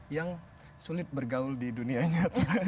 yang sulit bergaul di dunianya